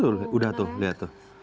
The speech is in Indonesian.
oh ini udah tuh